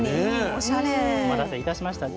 お待たせいたしました。